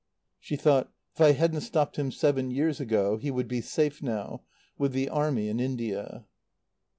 She thought: "If I hadn't stopped him seven years ago, he would be safe now, with the Army in India."